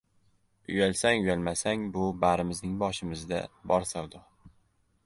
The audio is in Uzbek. — Uyalsang-uyalmasang, bu barimizning boshimizda bor savdo.